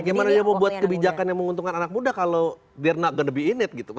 gimana dia mau buat kebijakan yang menguntungkan anak muda kalau they're not gonna be in it gitu